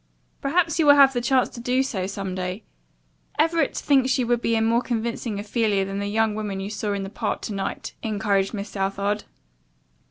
"Perhaps you will have the chance to do so some day. Everett thinks you would be a more convincing Ophelia than the young woman you saw in the part to night," encouraged Miss Southard.